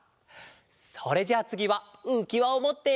それじゃあつぎはうきわをもって。